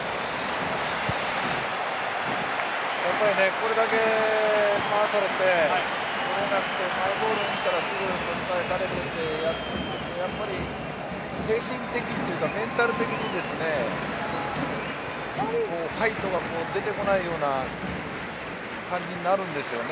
これだけ回されて、とれなくてマイボールにしたらすぐに取り返されてとやっているとやっぱり精神的というかメンタル的にファイトが出てこないような感じになるんですよね。